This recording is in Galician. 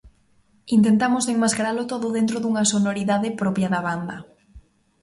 Intentamos enmascaralo todo dentro dunha sonoridade propia da banda.